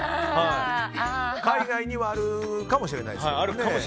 海外にはあるかもしれないですね。